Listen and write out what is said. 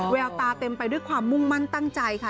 แววตาเต็มไปด้วยความมุ่งมั่นตั้งใจค่ะ